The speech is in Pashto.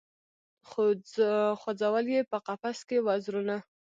خو ځول یې په قفس کي وزرونه